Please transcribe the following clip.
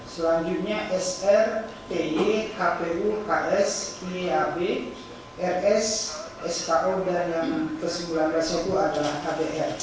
selanjutnya sr ty kpu ks iab rs sku dan yang keseluruhan resoku adalah kbr